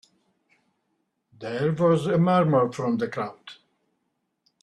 There was a murmur from the crowd.